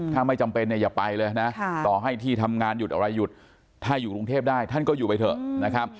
ถ้าไม่จำเป็นเนี่ยอย่าไปเลยนะต่อให้ที่ทำงานหยุดอะไรหยุดถ้าอยู่กรุงเทพได้ท่านก็อยู่ไปเถอะนะครับ